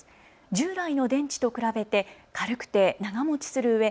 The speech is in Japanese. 従来の電池と比べて軽くて長もちするうえ